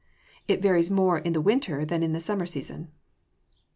_ It varies more in the winter than in the summer season.